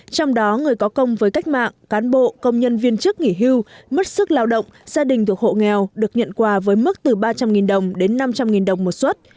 trong đó người có công với cách mạng cán bộ công nhân viên chức nghỉ hưu mất sức lao động gia đình thuộc hộ nghèo được nhận quà với mức từ ba trăm linh đồng đến năm trăm linh đồng một xuất